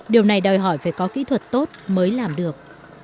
điều này đòi hỏi phải có kỹ thuật tốt mới làm được